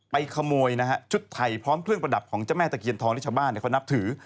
ขโมยนะฮะชุดไทยพร้อมเครื่องประดับของเจ้าแม่ตะเคียนทองที่ชาวบ้านเขานับถือ